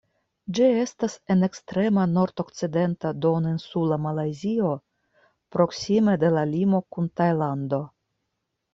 Ĝi estas en ekstrema nordokcidenta Duoninsula Malajzio, proksime de la limo kun Tajlando.